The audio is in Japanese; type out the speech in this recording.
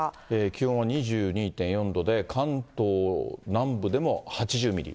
気温は２２．４度で、関東南部でも８０ミリ。